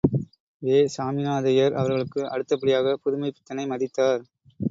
வே. சாமிநாதையர் அவர்களுக்கு அடுத்தபடியாக புதுமைப்பித்தனை மதித்தார்!